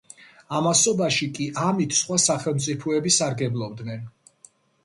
ამასობაში კი ამით სხვა სახელმწიფოები სარგებლობდნენ.